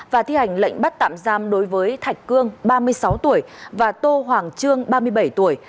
và thi hành lệnh bắt tạm giam đối với thạch cương ba mươi sáu tuổi và tô hoàng trương ba mươi bảy tuổi